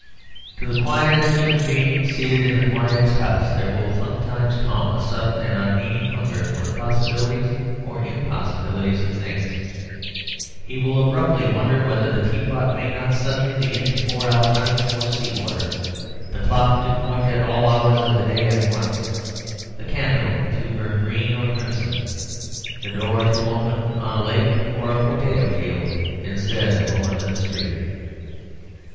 To the quietest human being, seated in the quietest house, there will sometimes come a sudden and unmeaning hunger for the possibilities or impossibilities of things; he will abruptly wonder whether the teapot may not suddenly begin to pour out honey or sea water, the clock to point to all hours of the day at once, the candle to burn green or crimson, the door to open upon a lake or a potato field instead of a London street.